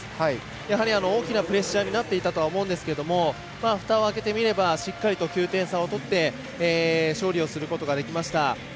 やはり、大きなプレッシャーになっていたとは思うんですけどもふたを開けてみればしっかりと９点差を取って勝利をすることができました。